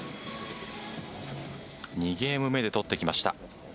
２ゲーム目で取ってきました。